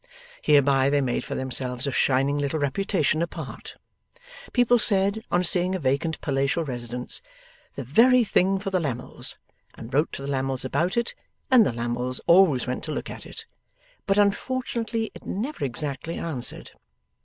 Hereby they made for themselves a shining little reputation apart. People said, on seeing a vacant palatial residence, 'The very thing for the Lammles!' and wrote to the Lammles about it, and the Lammles always went to look at it, but unfortunately it never exactly answered.